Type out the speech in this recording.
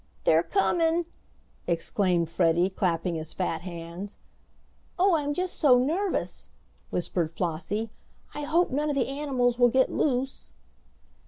"They're comin'!" exclaimed Freddie, clapping his fat hands. "Oh, I'm just so nervous!" whispered Flossie! "I hope none of the animals will get loose."